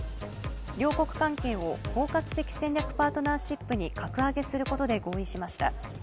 両国関係を包括的戦略パートナーシップに格上げすることで合意しました。